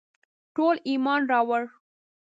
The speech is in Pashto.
ټولو ایمان راووړ.